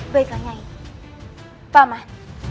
baiklah nyai paman